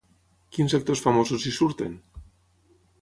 Quins actors famosos hi surten?